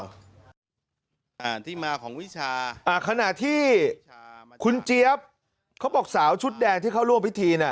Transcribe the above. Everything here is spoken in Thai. อ่าที่มาของวิชาอ่าขณะที่คุณเจี๊ยบเขาบอกสาวชุดแดงที่เขาร่วมพิธีน่ะ